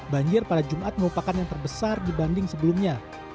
banjir pada jumat merupakan yang terbesar dibanding sebelumnya